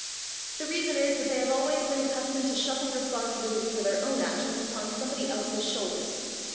The reason is that they have always been accustomed to shuffle responsibility for their own actions upon somebody else's shoulders.